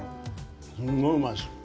すんごいうまいです。